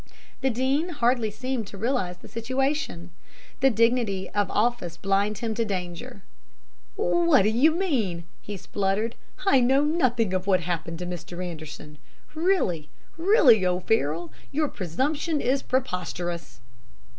"The Dean hardly seemed to realize the situation. The dignity of office blinded him to danger. "'What do you mean?' he spluttered. 'I know nothing of what happened to Mr. Anderson! Really, really, O'Farroll, your presumption is preposterous.'